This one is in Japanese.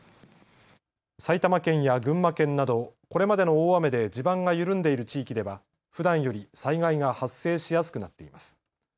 埼玉県や群馬県など、これまでの大雨で地盤が緩んでいる地域ではふだんより災害が発生しやすくなっています。